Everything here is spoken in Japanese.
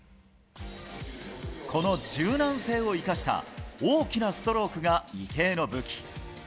この柔軟性を生かした大きなストロークが池江の武器。